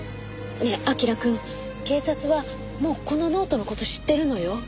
ねえ彬くん警察はもうこのノートの事知ってるのよ。